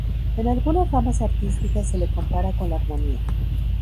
En algunas ramas artísticas se le compara con la armonía.